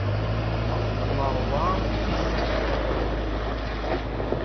Nerwa tizli.